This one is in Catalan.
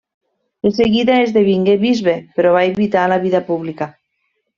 De seguida esdevingué bisbe però va evitar la vida pública.